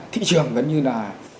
thị trường gần như là